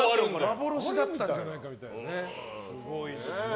幻だったんじゃないかみたいな。